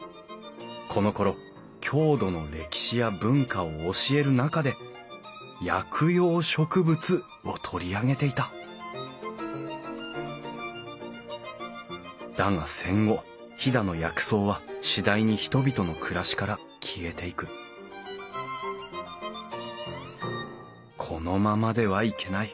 このころ郷土の歴史や文化を教える中で薬用植物を取り上げていただが戦後飛騨の薬草は次第に人々の暮らしから消えていくこのままではいけない。